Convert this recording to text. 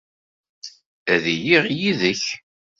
Ad iliɣ yid-k.